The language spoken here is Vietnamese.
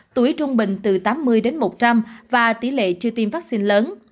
tuổi trung bình từ tám mươi đến một trăm linh và tỷ lệ chưa tiêm vaccine lớn